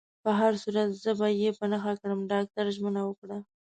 په هر صورت، زه به يې په نښه کړم. ډاکټر ژمنه وکړه.